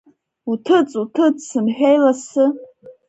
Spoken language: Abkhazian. Уҭыҵ, уҭыҵ сымҳәеи лассы?